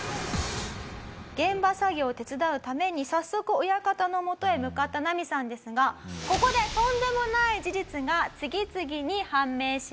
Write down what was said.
現場作業を手伝うために早速親方の元へ向かったナミさんですがここでとんでもない事実が次々に判明します。